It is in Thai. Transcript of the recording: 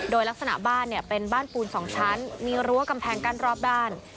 โดยลักษณะบ้านเนี่ยเป็นบ้านปูน๒ชั้นมีรั้วกำแพงกั้นรอบบ้าน